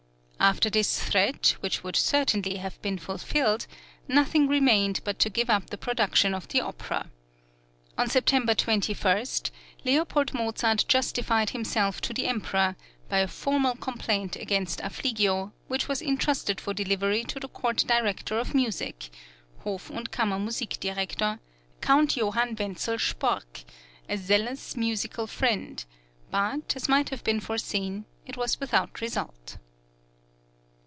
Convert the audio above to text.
After this threat, which would certainly have been fulfilled, nothing remained but to give up the production of the opera. On September 21, L. Mozart justified himself to the Emperor by a formal complaint against Affligio, which was intrusted for delivery to the Court Director of Music (Hof und Kammer Musik director), Count Joh. Wenzel Spork, a zealous musical friend; but, as might have been foreseen, it was without result.